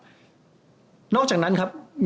ก็คือนอกจากนั้นครับ